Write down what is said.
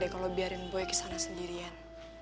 kalo biarin boy kesana sendirian